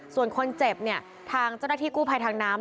ส่วนคนเจ็บเนี่ยทางเจ้าหน้าที่กู้ภัยทางน้ำ